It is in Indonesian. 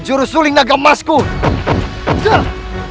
jangan lupa tuhan